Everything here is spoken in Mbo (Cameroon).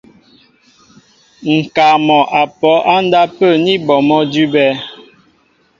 Ŋ̀kaa mɔ' a pɔ á ndápə̂ ní bɔ mɔ́ idʉ́bɛ̄.